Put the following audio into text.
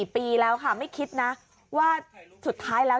ปีแล้วค่ะไม่คิดนะว่าสุดท้ายแล้ว